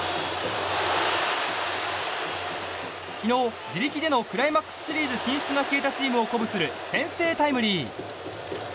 昨日、自力でのクライマックスシリーズ進出が消えたチームを鼓舞する先制タイムリー。